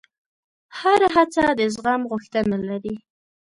هره هڅه د زغم غوښتنه لري.